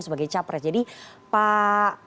sebagai capres jadi pak